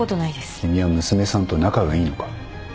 君は娘さんと仲がいいのか？